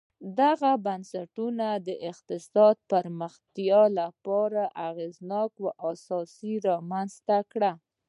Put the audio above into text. دغو بنسټونو د اقتصادي پراختیا لپاره اغېزناک اساسات رامنځته کړل